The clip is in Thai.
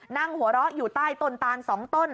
นั่งหัวเราะอยู่ใต้ต้นตาน๒ต้น